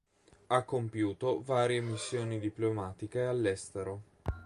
Ha compiuto varie missioni diplomatiche all'estero.